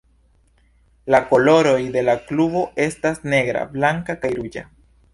La koloroj de la klubo estas negra, blanka, kaj ruĝa.